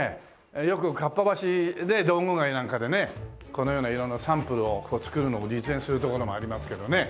よく合羽橋道具街なんかでねこのような色んなサンプルを作るのを実演する所もありますけどね。